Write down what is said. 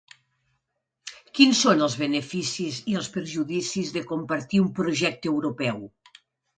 Quins són els beneficis i els perjudicis de compartir un projecte europeu?